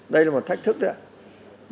đây là một thách thức đấy ạ